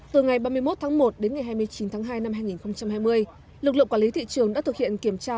từ ngày ba mươi một tháng một đến ngày hai mươi chín tháng hai năm hai nghìn hai mươi lực lượng quản lý thị trường đã thực hiện kiểm tra